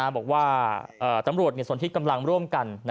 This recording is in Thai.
บอกว่าตำรวจสนทิศกำลังร่วมกัน